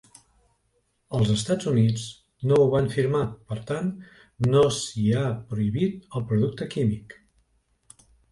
Els Estats Units no ho van firmar, per tant, no s'hi ha prohibit el producte químic.